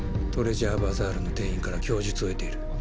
トレジャーバザールの店員から供述を得ている。